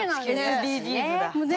ＳＤＧｓだ。